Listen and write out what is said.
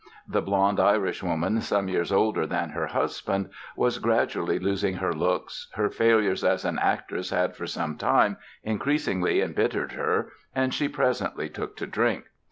The blond Irishwoman, some years older than her husband, was gradually losing her looks, her failures as an actress had for some time increasingly embittered her and she presently took to drink.